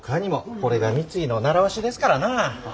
これが三井の習わしですからな。は？